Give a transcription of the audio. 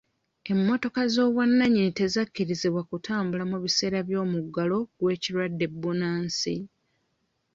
Emmotoka z'obwannannyini tezakkirizibwa kutambula mu biseera by'omuggalo gw'ekirwadde bbunansi.